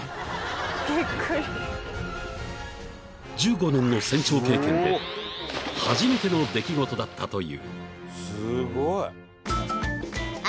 ［１５年の船長経験で初めての出来事だったという］